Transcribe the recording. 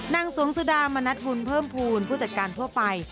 นางสวงสุดามณัฐบุญเพิ่มภูมิผู้จัดการทั่วไป